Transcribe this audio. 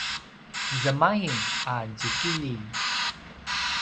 zemaing a tjikililj